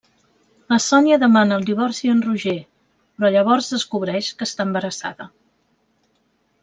La Sònia demana el divorci a en Roger, però llavors descobreix que està embarassada.